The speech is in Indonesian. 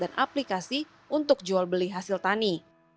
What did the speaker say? dan aplikasi untuk jual beli hasil tani